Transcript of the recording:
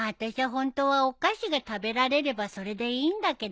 ホントはお菓子が食べられればそれでいいんだけどね。